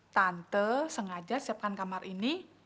tante sengaja siapkan kamar ini